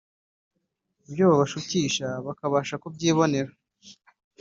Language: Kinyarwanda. ibyo babashukisha bakabasha kubyibonera